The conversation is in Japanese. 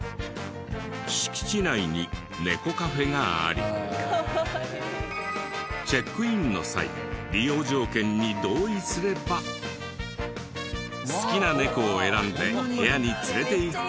敷地内にネコカフェがありチェックインの際利用条件に同意すれば好きなネコを選んで部屋に連れていく事ができる。